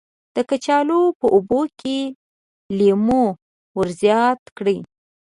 د کچالو په اوبو کې لیمو ور زیات کړئ.